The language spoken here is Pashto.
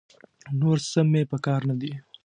نور څه مې په کار نه دي.